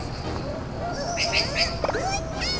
う！うーたん！